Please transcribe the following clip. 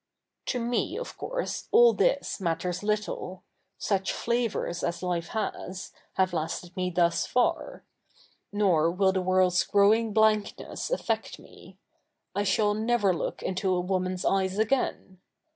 ' To J7ie, of course, all this 7/iatters little. Such flavours as life has, have lasted ?7ie thus far ; 7ior will the zvorlds growing blank7iess affect 77ie. I shall never look into a 2voma7i's eyes again.